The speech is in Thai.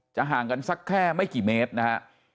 ห่างกันสักแค่ไม่กี่เมตรนะฮะ